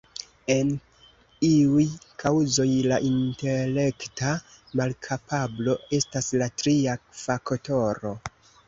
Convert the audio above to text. En iuj kaŭzoj la intelekta malkapablo estas la tria faktoro.